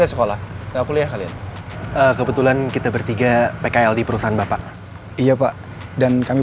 sekolah kuliah kalian kebetulan kita bertiga pkl di perusahaan bapak iya pak dan kami